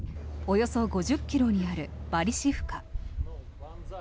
およそ５０ｋｍにあるバリシフカ。